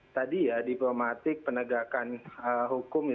tadi ya diplomatik penegakan hukum